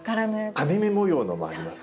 網目模様のもあります。